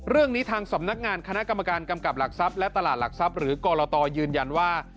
เรื่องนี้ทางสำนักงานคณะกรรมการกำกับหลักทรัพย์และตลาดหลักทรัพย์หรือกรตยืนยันว่า